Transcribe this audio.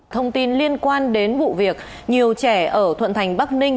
thông tin liên quan đến vụ việc nhiều trẻ ở thuận thành bắc ninh